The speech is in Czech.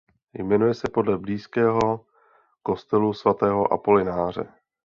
Jmenuje se podle blízkého kostelu svatého Apolináře.